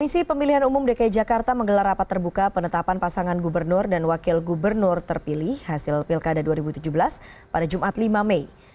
komisi pemilihan umum dki jakarta menggelar rapat terbuka penetapan pasangan gubernur dan wakil gubernur terpilih hasil pilkada dua ribu tujuh belas pada jumat lima mei